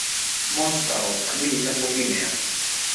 monsuta o, ni li tenpo pimeja.